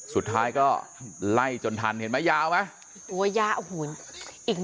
สุดท้ายก็ไล่จนทันเห็นมั้ยยาวไหม